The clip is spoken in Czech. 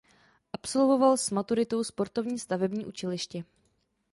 Absolvoval s maturitou sportovní stavební učiliště.